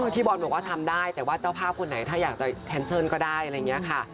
พี่บอลบอกว่าทำได้แต่ว่าเจ้าภาพคนไหนถ้าอยากจะแคนเซิลก็ได้อะไรอย่างนี้ค่ะ